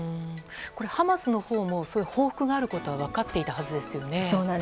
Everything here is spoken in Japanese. ハマスのほうもそういう報復があることは分かっていたはずですよね。